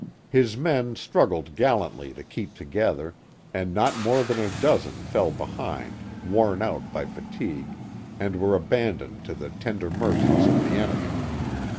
His men struggled gallantly 10 keep together, and not more than a dozen fell behind, worn out by fatigue, and were abandoned to the tender mercies of the enemy.